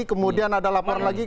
kemudian ada lapor lagi